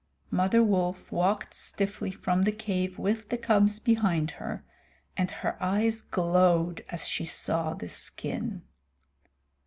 Mother Wolf walked stiffly from the cave with the cubs behind her, and her eyes glowed as she saw the skin.